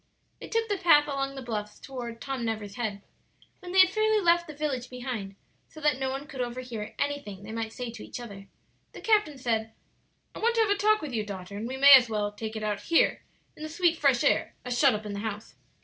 They took the path along the bluffs toward "Tom Never's Head." When they had fairly left the village behind, so that no one could overhear anything they might say to each other, the captain said, "I want to have a talk with you, daughter, and we may as well take it out here in the sweet fresh air, as shut up in the house."